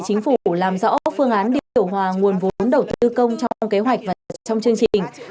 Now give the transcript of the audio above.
chính phủ làm rõ phương án điều hòa nguồn vốn đầu tư công trong kế hoạch và trong chương trình